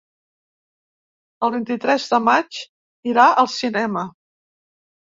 El vint-i-tres de maig irà al cinema.